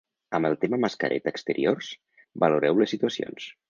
Amb el tema mascareta exteriors, valoreu les situacions.